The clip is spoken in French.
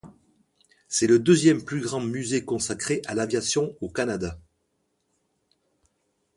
C'est le deuxième plus grand musée consacré à l'aviation au Canada.